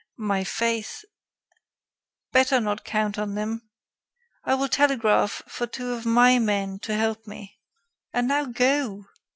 "My faith " "Better not count on them. I will telegraph for two of my men to help me. And now, go!